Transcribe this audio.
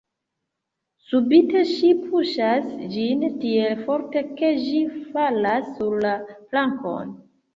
Subite ŝi puŝas ĝin tiel forte, ke ĝi falas sur la plankon.